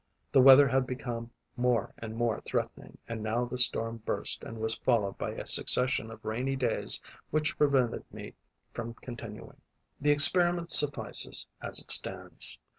The weather had become more and more threatening; and now the storm burst and was followed by a succession of rainy days which prevented me from continuing. The experiment suffices as it stands.